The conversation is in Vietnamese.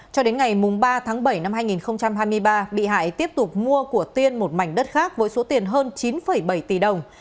cho đến ngày ba tháng bảy năm hai nghìn hai mươi ba bị hại tiếp tục mua của tiên một mảnh đất khác với số tiền hơn chín bảy tỷ đồng